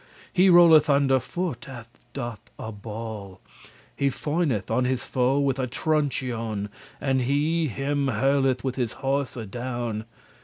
He rolleth under foot as doth a ball. He foineth* on his foe with a trunchoun, *forces himself And he him hurtleth with his horse adown.